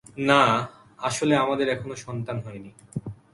না, আসলে আমাদের এখনো সন্তান হয়নি।